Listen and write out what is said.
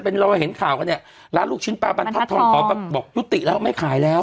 เป็นเราเห็นข่าวกันเนี่ยร้านลูกชิ้นปลาบรรทัศนทองขอบอกยุติแล้วไม่ขายแล้ว